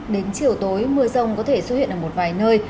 đến chiều tối mưa rông có thể xuất hiện ở một vài nơi